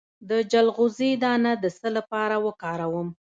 د چلغوزي دانه د څه لپاره وکاروم؟